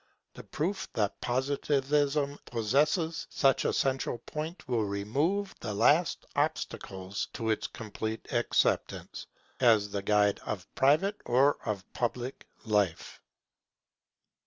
The proof that Positivism possesses such a central point will remove the last obstacles to its complete acceptance, as the guide of private or of public life.